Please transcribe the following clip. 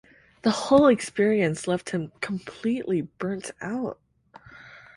The whole experience left him "completely burnt out".